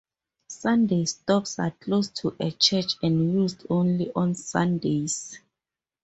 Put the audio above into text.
Sunday stops are close to a church and used only on Sundays.